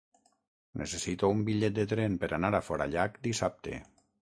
Necessito un bitllet de tren per anar a Forallac dissabte.